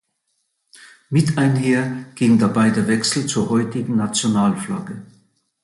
Mit einher ging dabei der Wechsel zur heutigen Nationalflagge.